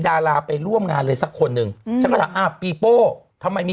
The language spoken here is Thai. ดาราไปร่วมงานเลยสักคนนึง้ืม